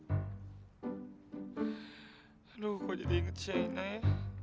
aduh kok jadi inget shaina ya